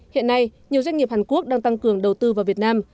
hiện nay nhiều doanh nghiệp hàn quốc đang tăng cường đầu tư vào việt nam